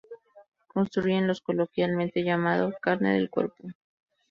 Constituyen lo coloquialmente llamado "carne del cuerpo".